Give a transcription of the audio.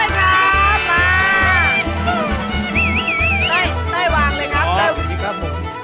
เต้นวางเลยครับ